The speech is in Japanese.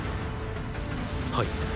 はい。